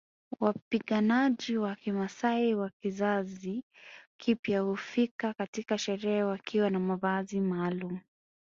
Wapiganaji wa kimaasai wa kizazi kipya hufika katika sherehe wakiwa na mavazi maalumu